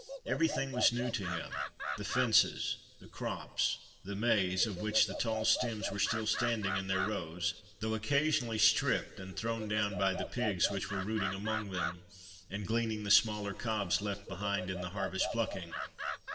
Everything was new to him. The fences, the crops, the maize, of which the tall stems were still standing in their rows, though occasionally stripped and thrown down by the pigs which were rooting among them and gleaning the smaller cobs left behind in the harvest plucking.